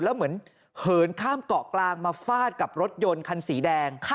แล้วเหมือนเหินข้ามเกาะกลางมาฟาดกับรถยนต์คันสีแดง